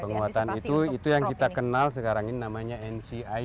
penguatan itu yang kita kenal sekarang ini namanya nci